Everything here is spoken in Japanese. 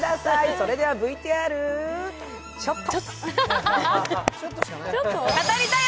それではＶＴＲちょっと。